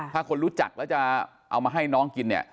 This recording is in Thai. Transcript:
ถ้าคนรู้จักแล้วจะเอามาให้น้องกินเนี่ย